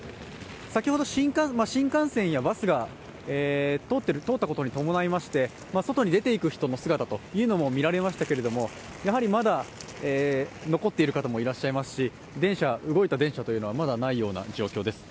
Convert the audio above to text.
先ほど、新幹線やバスが通ったことに伴いまして外に出て行く人の姿というのも見られましたけど、まだ残っている方もいらっしゃいますし、動いた電車というのは、まだないような状況です。